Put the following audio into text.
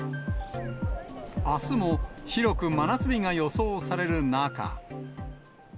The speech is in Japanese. あすも広く真夏日が予想される中。